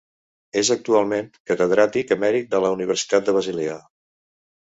És actualment catedràtic emèrit de la Universitat de Basilea.